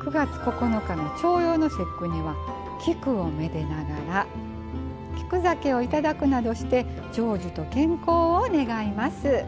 ９月９日の重陽の節句には菊をめでながら菊酒をいただくなどして長寿と健康を願います。